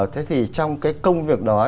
thế thì trong cái công việc đó